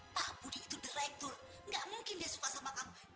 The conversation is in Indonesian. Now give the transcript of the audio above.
pak budi itu deraik bu nggak mungkin dia suka sama kamu